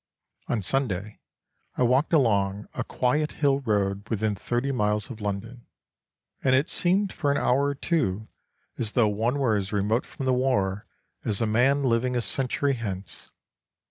On Sunday I walked along a quiet hill road within thirty miles of London, and it seemed for an hour or two as though one were as remote from the war as a man living a century hence.